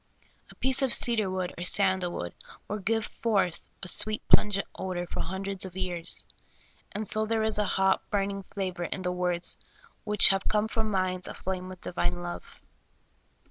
A piece of cedar wood or sandal wood will give forth a sweet, pungent odor for hundreds of years ; and so there is a hot, burning flavor in the words which have come from minds aflame wdth divine love.